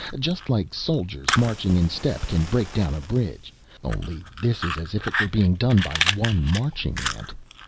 Just like soldiers marching in step can break down a bridge, only this is as if it were being done by one marching ant."